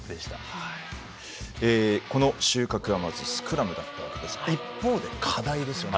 この収穫はまずスクラムだったわけですが一方で課題ですよね。